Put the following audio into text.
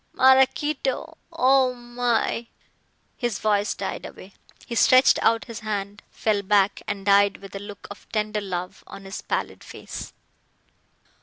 Maraquito, oh my " his voice died away. He stretched out his hand, fell back and died with a look of tender love on his pallid face.